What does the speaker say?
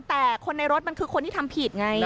แต่คนในรถที่ทำผิดไง